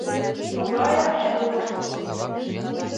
Тугаяк чулым.